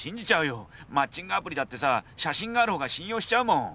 マッチングアプリだってさ写真がある方が信用しちゃうもん。